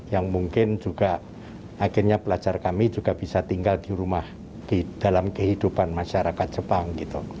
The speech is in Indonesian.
yang mungkin juga akhirnya pelajar kami juga bisa tinggal di rumah di dalam kehidupan masyarakat jepang